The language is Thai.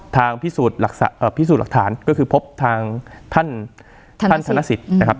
ทางพิสูจน์หลักฐานก็คือพบทางท่านทรณสิต